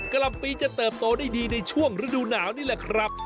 ลำปีจะเติบโตได้ดีในช่วงฤดูหนาวนี่แหละครับ